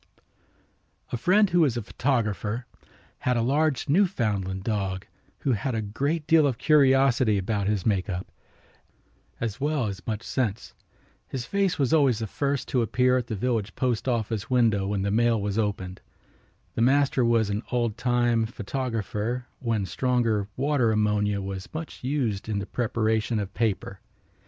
A friend who was a photographer had a large Newfoundland dog who had a great deal of curiosity about his make up, as well as much sense. His face was always the first to appear at the village postoffice window when the mail was opened. The master was an oldtime photographer when stronger water ammonia was much used in the preparation of paper.